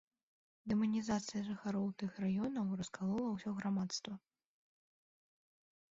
Дэманізацыя жыхароў тых раёнаў раскалола ўсё грамадства.